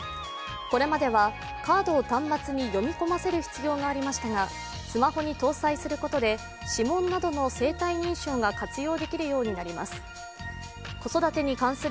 これまではカードを端末に読み込ませる必要がありましたが、スマホに搭載することで指紋などの生体認証が活用できるようになります。